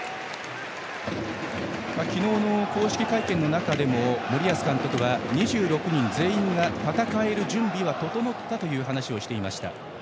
昨日の公式会見でも森保監督は２６人全員が戦える準備は整ったという話をしていました。